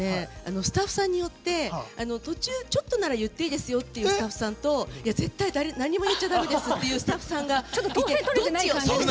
スタッフさんによって、途中ちょっとなら言っていいですよっていうスタッフさんと絶対、何も言っちゃだめですっていうスタッフさんが。